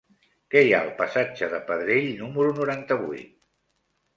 Què hi ha al passatge de Pedrell número noranta-vuit?